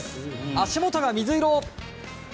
足元が水色。